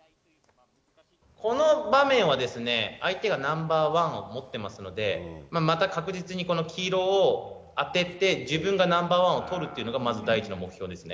この場面は相手がナンバーワンを持っているのでまた確実に黄色を当てて自分がナンバーワンを取るというのがまず第１の目標ですね。